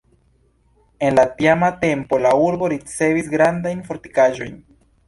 En la tiama tempo la urbo ricevis grandajn fortikaĵojn.